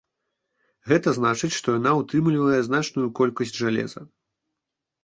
Гэта значыць, што яна ўтрымлівае значную колькасць жалеза.